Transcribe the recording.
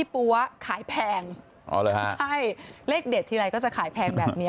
โปรดติดตามตอนต่อไป